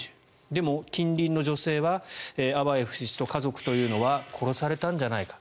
でも近隣の女性はアバエフ氏と家族というのは殺されたんじゃないか。